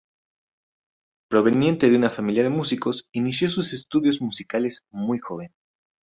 Proveniente de una familia de músicos, inició sus estudios musicales muy joven.